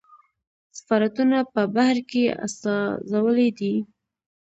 سفارتونه په بهر کې استازولۍ دي